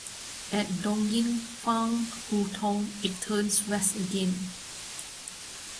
At Dongyingfang Hutong, it turns west again.